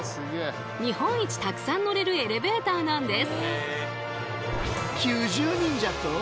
日本一たくさん乗れるエレベーターなんです。